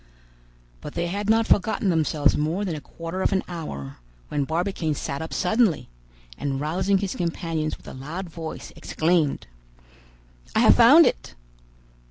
But they had not forgotten themselves more than a quarter of an hour, when Barbicane sat up suddenly, and rousing his companions with a loud voice, exclaimed— "I have found it!"